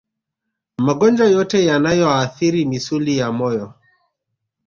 Magonjwa yote yanayoathiri misuli ya moyo